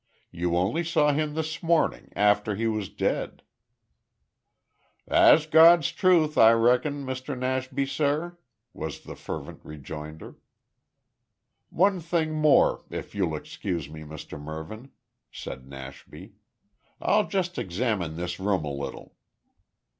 "You only saw him this morning, after he was dead." "That's Gawd's truth, I reckon, Mr Nashby, zur," was the fervent rejoinder. "One thing more, if you'll excuse me, Mr Mervyn," said Nashby. "I'll just examine this room a little."